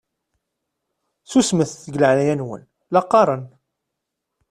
Susmet deg leɛnaya-nwen la qqaṛen!